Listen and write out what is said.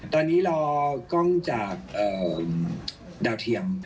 ตอนนี้รอกล้องจากดาวเทียม